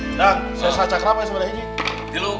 nah saya sasar cakra apa ya sebenernya gini